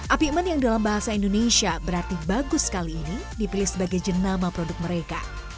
apikmen yang dalam bahasa indonesia berarti bagus kali ini dipilih sebagai jenama produk mereka